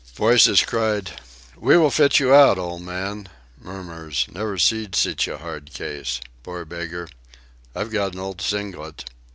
Voices cried: "We will fit you out, old man." Murmurs: "Never seed seech a hard case.... Poor beggar.... I've got an old singlet....